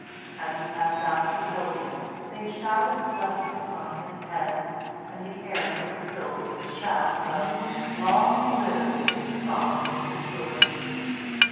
As he passed out of the building, they showered blessings on his head, and the air was filled with shouts of "Long live Toussaint l'Ouverture."